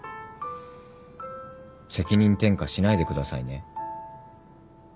責任転嫁しないでくださいね。